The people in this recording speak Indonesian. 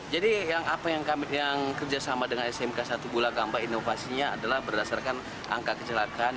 jadi apa yang kerjasama dengan smk satu bulukamba inovasinya adalah berdasarkan angka kecelakaan